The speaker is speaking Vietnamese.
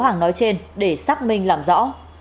khoảng nói trên để xác minh làm rõ